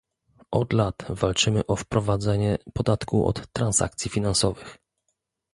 Od lat walczymy o wprowadzenie podatku od transakcji finansowych